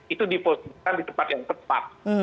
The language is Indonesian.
itu diposisikan di tempat yang tepat